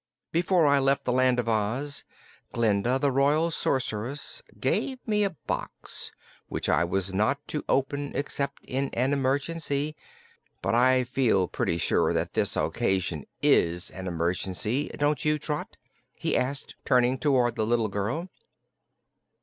"Before I left the Land of Oz, Glinda the Royal Sorceress gave me a box, which I was not to open except in an emergency. But I feel pretty sure that this occasion is an emergency; don't you, Trot?" he asked, turning toward the little girl.